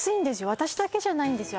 私だけじゃないんですよ